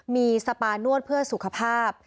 มีสปานวดเพื่อสุขภาพ